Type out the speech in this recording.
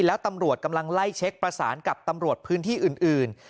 แล้วตำรวจกำลังไล่เช็คประสานกับตำรวจพื้นที่อื่น